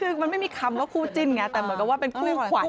คือมันไม่มีคำกว่าคู่จิ้นไงแต่คือคู่ขวัญ